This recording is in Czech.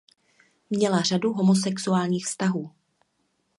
Měla řadu homosexuálních vztahů.